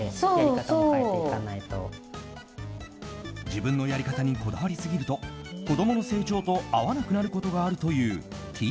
自分のやり方にこだわりすぎると子供の成長と合わなくなることがあるというてぃ